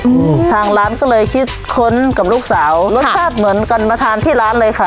อืมทางร้านก็เลยคิดค้นกับลูกสาวรสชาติเหมือนกันมาทานที่ร้านเลยค่ะ